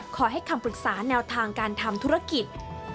ขอให้คำปรึกษาแนวทางการทำธุรกิจ